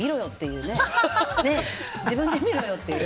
自分で見ろよって。